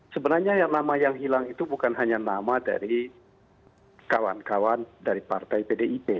sebenarnya yang nama yang hilang itu bukan hanya nama dari kawan kawan dari partai pdip